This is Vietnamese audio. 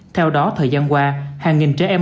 theo đó thời gian qua hàng nghìn trẻ em